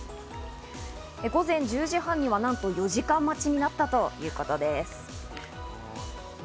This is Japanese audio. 午前１０時半にはなんと４時間待ちになったということです。